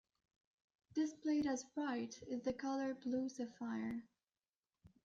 Displayed as right is the color blue sapphire.